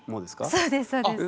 そうですそうです。